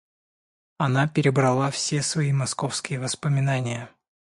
Она перебрала все свои московские воспоминания.